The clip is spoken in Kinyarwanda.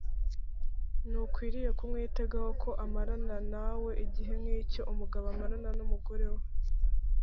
ntukwiriye kumwitegaho ko amarana nawe igihe nk icyo umugabo amarana n umugore we